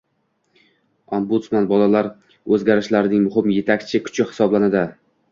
Ombudsman: Bolalar o‘zgarishlarning muhim yetakchi kuchi hisoblanadi